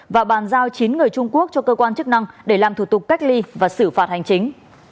và bàn giao chín người trung quốc cho cơ quan chức năng để làm thủ tục cách ly và xử phạt hành chính